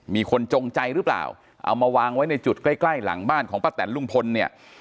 จงใจหรือเปล่าเอามาวางไว้ในจุดใกล้ใกล้หลังบ้านของป้าแตนลุงพลเนี่ย